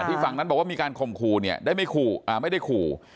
ที่ฝั่งนั้นบอกว่ามีการคมคู่เนี้ยได้ไม่คู่อ่าไม่ได้คู่